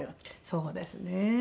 そうですね。